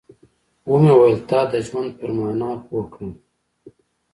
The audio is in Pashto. ومې ويل تا د ژوند پر مانا پوه کړم.